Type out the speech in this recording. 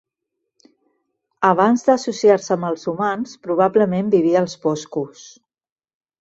Abans d'associar-se amb els humans, probablement vivia als boscos.